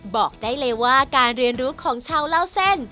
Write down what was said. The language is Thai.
บอกได้เลยว่าการเรียนรู้ของชาวเล่าเส้น